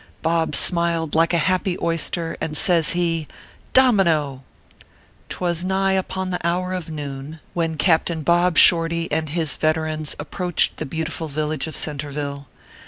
Bob smiled like a happy oyster, and says he :" Domino \" Twas nigh upon the hour of noon when Captain 174 ORPHEUS C. KERB PAPERS. Bob Shorty and his veterans approached the beautiful village of Centreville.